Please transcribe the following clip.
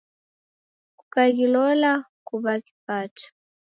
Kukaghilola kuw'aghipata.